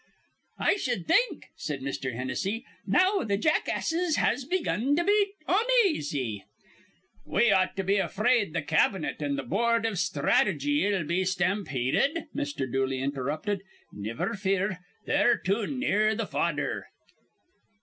"I shud think," said Mr. Hennessy, "now that th' jackasses has begun to be onaisy" "We ought to be afraid th' cabinet an' th' Boord iv Sthrateejy 'll be stampeded?" Mr. Dooley interrupted. "Niver fear. They're too near th' fodder."